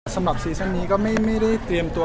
สำหรับซีซันนี้ก็ไม่ได้เตรียมตัว